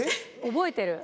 覚えてる。